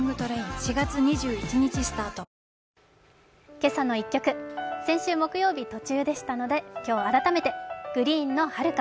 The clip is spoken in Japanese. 「けさの１曲」、先週木曜日途中でしたので、今日改めてＧＲｅｅｅｅＮの「遥か」。